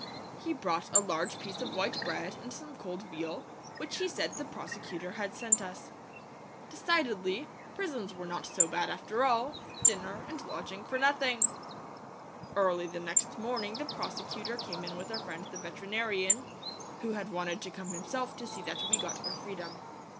He brought a large piece of white bread and some cold veal, which he said the prosecutor had sent us. Decidedly, prisons were not so bad after all; dinner and lodging for nothing! Early the next morning the prosecutor came in with our friend the veterinarian, who had wanted to come himself to see that we got our freedom.